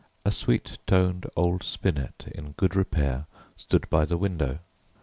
A sweet toned old spinet in good repair stood by the window.